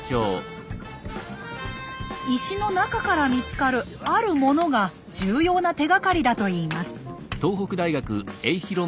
石の中から見つかるあるものが重要な手がかりだといいます。